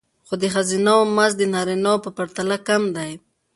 خو د ښځینه وو مزد د نارینه وو په پرتله کم دی